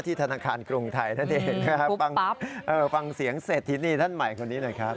ธนาคารกรุงไทยนั่นเองนะครับฟังเสียงเศรษฐินีท่านใหม่คนนี้หน่อยครับ